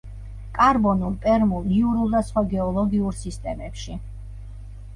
კარბონულ, პერმულ, იურულ და სხვა გეოლოგიურ სისტემებში.